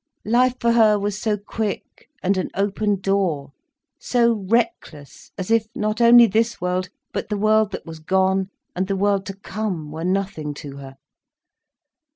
Life for her was so quick, and an open door—so reckless as if not only this world, but the world that was gone and the world to come were nothing to her.